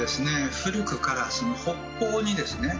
古くから北方にですね